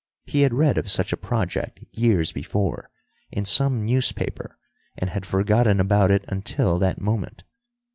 He had read of such a project years before, in some newspaper, and had forgotten about it until that moment.